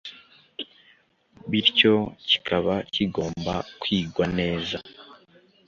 bityo kikaba kigomba kwigwa neza